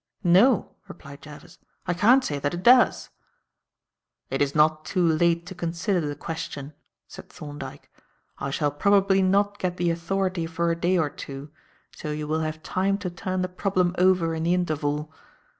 "No," replied Jervis, "I can't say that it does." "It is not too late to consider the question," said Thorndyke. "I shall probably not get the authority for a day or two, so you will have time to turn the problem over in the interval.